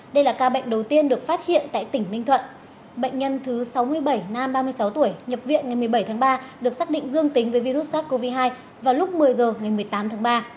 đây là ca bệnh đầu tiên được phát hiện tại tỉnh ninh thuận bệnh nhân thứ sáu mươi bảy nam ba mươi sáu tuổi nhập viện ngày một mươi bảy tháng ba được xác định dương tính với virus sars cov hai vào lúc một mươi h ngày một mươi tám tháng ba